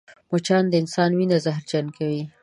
مچان د انسان وینه زهرجنه کوي